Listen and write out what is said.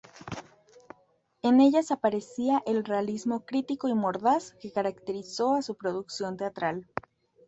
En ellas aparecía el realismo crítico y mordaz que caracterizó a su producción teatral.